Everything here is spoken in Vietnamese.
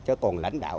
chứ còn lãnh đạo